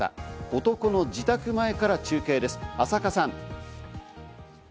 男の自宅前から中継です、浅賀さん。